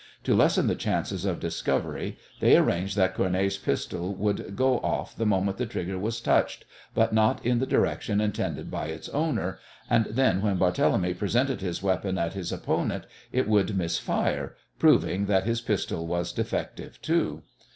To lessen the chances of discovery they arranged that Cournet's pistol should go off the moment the trigger was touched, but not in the direction intended by its owner, and then when Barthélemy presented his weapon at his opponent it would misfire, proving that his pistol was defective too.